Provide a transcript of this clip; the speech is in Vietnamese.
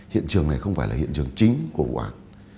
hiện trường này không phải là hiện trường chính của vụ án